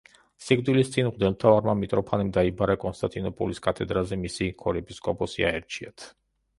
სიკვდილის წინ მღვდელმთავარმა მიტროფანემ დაიბარა, კონსტანტინოპოლის კათედრაზე მისი ქორეპისკოპოსი აერჩიათ.